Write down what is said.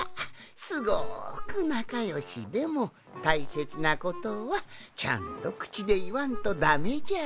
すごくなかよしでもたいせつなことはちゃんとくちでいわんとダメじゃな。